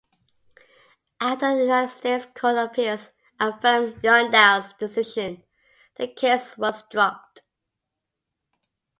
After the United States Court of Appeals affirmed Youngdahl's decision, the case was dropped.